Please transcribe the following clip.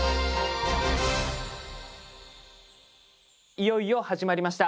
いよいよ始まりました。